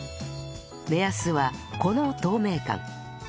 目安はこの透明感